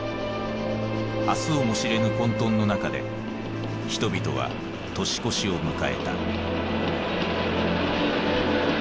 明日をも知れぬ混沌の中で人々は年越しを迎えた。